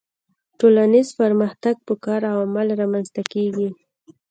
ټولنیز پرمختګ په کار او عمل رامنځته کیږي